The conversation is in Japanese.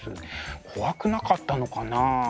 怖くなかったのかな？